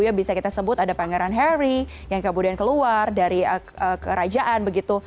ya bisa kita sebut ada pangeran harry yang kemudian keluar dari kerajaan begitu